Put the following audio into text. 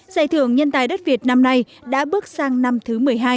giải thưởng nhân tài đất việt năm nay đã bước sang năm thứ một mươi hai